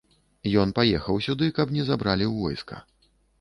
Ён паехаў сюды, каб не забралі ў войска.